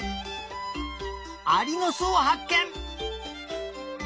アリのすをはっけん！